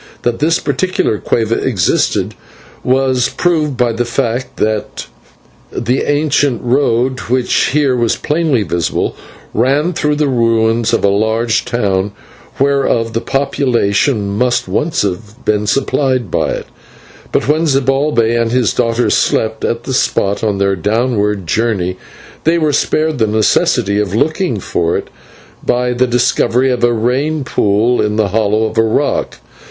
That this particular /cueva/ existed was proved by the fact that the ancient road, which here was plainly visible, ran through the ruins of a large town whereof the population must once have been supplied by it; but when Zibalbay and his daughter slept at the spot on their downward journey, they were spared the necessity of looking for it by the discovery of a rain pool in the hollow of a rock.